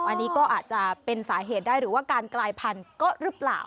อันนี้ก็อาจจะเป็นสาเหตุได้หรือว่าการกลายพันธุ์ก็หรือเปล่า